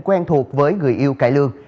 quen thuộc với người yêu cải lương